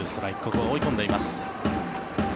ここは追い込んでいます。